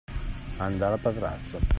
Andare a Patrasso.